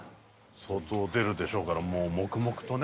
相当出るでしょうからもう黙々とね。